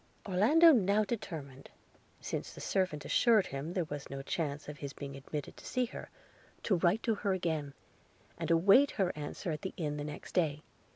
Orlando now determined, since the servant assured him there was no chance of his being admitted to see her, to write to her again, and await her answer at the inn the next day.